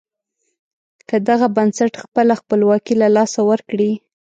که دغه بنسټ خپله خپلواکي له لاسه ورکړي.